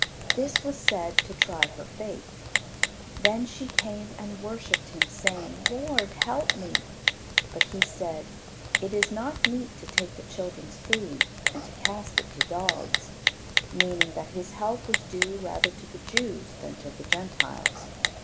This was said to try her faith. Then she came and worshipped Him, saying, "Lord, help me." But He said, "It is not meet to take the children's food and to cast it to dogs;" meaning that His help was due rather to the Jews than to the Gentiles.